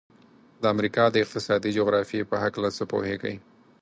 د امریکا د اقتصادي جغرافیې په هلکه څه پوهیږئ؟